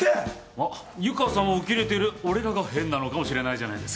まあ湯川さんを受け入れてる俺らが変なのかもしれないじゃないですか。